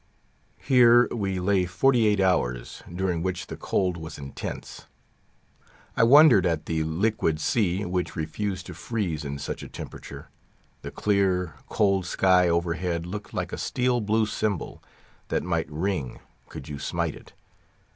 Here we lay forty eight hours, during which the cold was intense. I wondered at the liquid sea, which refused to freeze in such a temperature. The clear, cold sky overhead looked like a steel blue cymbal, that might ring, could you smite it.